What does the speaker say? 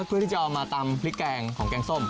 เพื่อที่จะเอามาตำพริกแกงของแกงส้ม